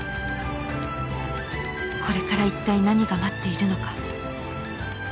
［これからいったい何が待っているのか？］